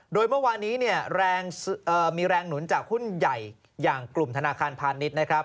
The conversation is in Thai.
โดยเมื่อวานนี้มีแรงหนุนจากหุ้นใหญ่อย่างกลุ่มธนาคารพาณิชย์นะครับ